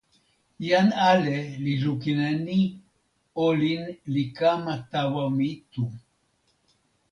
jan ale li lukin e ni: olin li kama tawa mi tu.